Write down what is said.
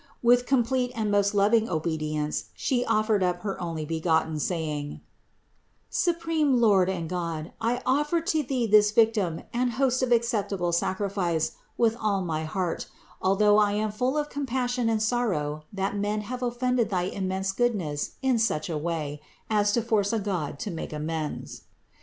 With complete and most loving obedience She offered up her Onlybegotten, say ing: "Supreme Lord and God, I offer to Thee this Victim and Host of acceptable sacrifice with all my heart, although I am full of compassion and sorrow that men have offended thy immense Goodness in such a way as to force a God to make amends.